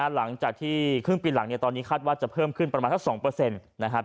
หลังจากที่ครึ่งปีหลังตอนนี้คาดว่าจะเพิ่มขึ้นประมาณสัก๒นะครับ